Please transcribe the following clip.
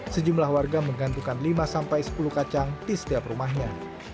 sejumlah warga menggantungkan lima sampai sepuluh kacang di setiap rumahnya